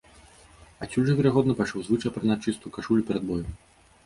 Адсюль жа, верагодна, пайшоў звычай апранаць чыстую кашулю перад боем.